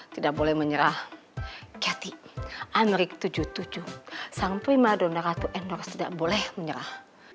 tidak boleh menyerah cathy anrik tujuh puluh tujuh sang prima donderatu endorse tidak boleh menyerah